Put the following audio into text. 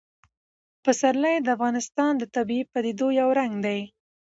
پسرلی د افغانستان د طبیعي پدیدو یو رنګ دی.